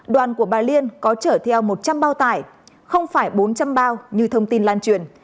đoàn của bà liên có chở theo một trăm linh bao tải không phải bốn trăm linh bao như thông tin lan truyền